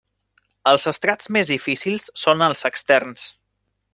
Els estrats més difícils són els externs.